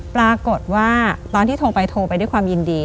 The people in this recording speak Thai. ปรากฏว่าตอนที่โทรไปโทรไปด้วยความยินดี